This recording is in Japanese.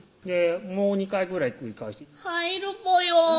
もう２回ぐらい繰り返して「入るぽよ」